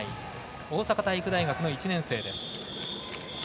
大阪体育大学１年生です。